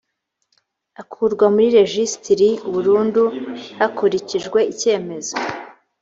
akurwa muri rejisitiri burundu hakurikijwe icyemezo